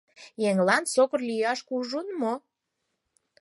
— Еҥлан сокыр лияш кужун мо?